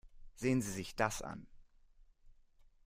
Sehen Sie sich das an.